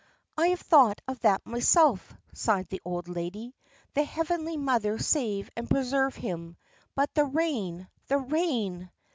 "I have thought of that myself," sighed the old lady. "The Heavenly Mother save and preserve him. But the rain, the rain!"